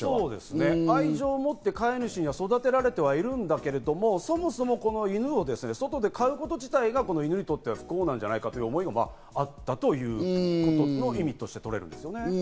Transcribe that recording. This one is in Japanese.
愛情を持って飼い主に育てられてはいるんだけれども、そもそも犬を外で飼うこと自体が犬にとって不幸なんじゃないかという思いがあったということの意味としてとらえられますね。